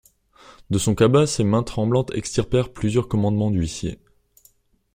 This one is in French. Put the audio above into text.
De son cabas ses mains tremblantes extirpèrent plusieurs commandements d'huissiers.